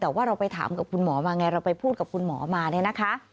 แต่ว่าเราไปถามกับคุณหมอมาไงเราไปพูดกับคุณหมอมาเนี่ยนะคะ